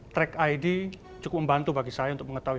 track id cukup membantu bagi saya untuk mengetahui